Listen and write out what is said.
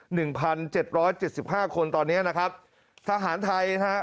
หนึ่งพันเจ็ดร้อยเจ็ดสิบห้าคนตอนเนี้ยนะครับทหารไทยนะฮะ